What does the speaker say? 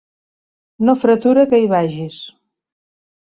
No fretura que hi vagis.